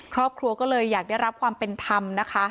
ครอบครัวก็เลยอยากได้รับความเป็นธรรมนะคะ